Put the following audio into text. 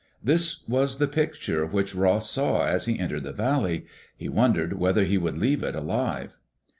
This was the picture which Ross saw as he entered the valley. He wondered whether he would leave it alive.